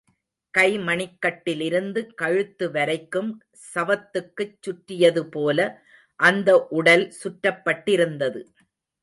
கைமணிக் கட்டிலிருந்து கழுத்து வரைக்கும், சவத்துக்குச் சுற்றியதுபோல அந்த உடல் சுற்றப்பட்டிருந்தது.